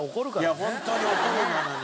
いやホントに怒るのに。